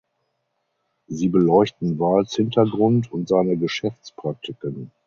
Sie beleuchten Waals Hintergrund und seine Geschäftspraktiken.